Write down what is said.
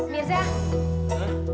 baca yang ini